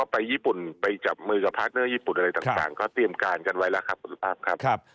ไปจับมือกับพาร์ทเนอร์ญี่ปุ่นอะไรต่างก็เตรียมการกันไว้แล้วครับ